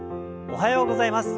おはようございます。